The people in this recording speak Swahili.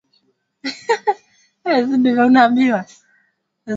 Ba askari bari beba minji na mioko iri kuya mu mashamba